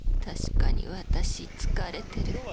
確かに私疲れてる。